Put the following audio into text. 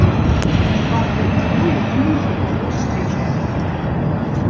Шпаркай хадою кінуўся ўздоўж сцежкі.